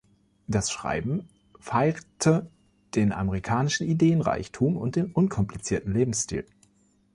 Das Schreiben feirte den amerikanischen Ideenreichtum und den unkomplizierten Lebensstil.